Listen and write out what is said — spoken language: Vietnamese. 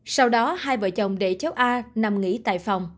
sau đó hai vợ chồng đệ cháu a nằm nghỉ